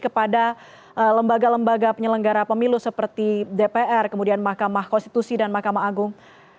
kepada lembaga lembaga penyelenggara pemilu seperti dpr kemudian mahkamah konstitusi dan mahkamah agung